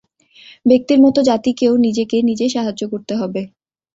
ব্যক্তির মত জাতিকেও নিজেকে নিজে সাহায্য করতে হবে।